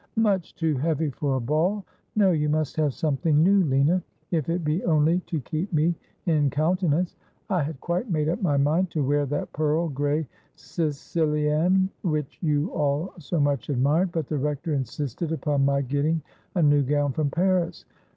' Much too heavy for a ball. No, you must have something new, Lina, if it be only to keep me in countenance. I had quite made up my mind to wear that pearl gray sicilienne which you all so much admired ; but the Rector insisted upon my get ting a new gown from Paris.'